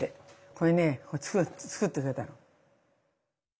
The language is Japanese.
これね作ってくれたの。